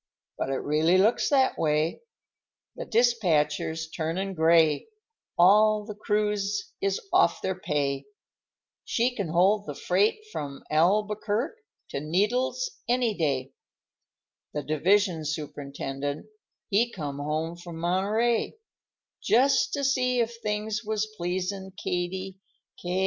But it really looks that way, The dispatcher's turnin' gray, All the crews is off their pay; She can hold the freight from Albuquerq' to Needles any day; The division superintendent, he come home from Monterey, Just to see if things was pleasin' Katie Ca—a—a—sey."